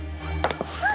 あっ！